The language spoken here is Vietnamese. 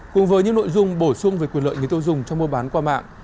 cùng với những nội dung bổ sung về quyền lợi người tiêu dùng trong mua bán qua mạng